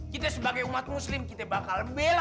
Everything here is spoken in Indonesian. kita sebagai umat muslim kita bakal bela